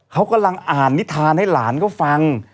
เขากำลังอ่านนิทานให้หลานเขาฟัง